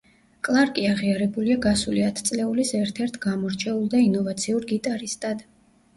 კლარკი აღიარებულია „გასული ათწლეულის ერთ-ერთ გამორჩეულ და ინოვაციურ გიტარისტად“.